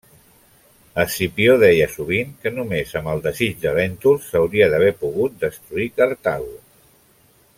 Escipió deia sovint que només amb el desig de Lèntul s'hauria d'haver pogut destruir Cartago.